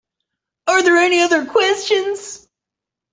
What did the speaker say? Are there any other questions?